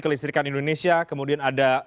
kelistrikan indonesia kemudian ada